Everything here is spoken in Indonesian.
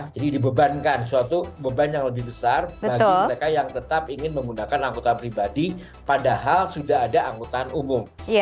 jadi dibebankan suatu beban yang lebih besar bagi mereka yang tetap ingin menggunakan angkutan pribadi padahal sudah ada angkutan umum